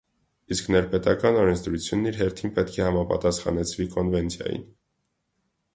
Իսկ ներպետական օրենսդրությունն իր հերթին պետք է համապատասխանեցվի կոնվենցիային։